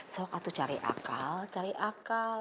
sokatu cari akal cari akal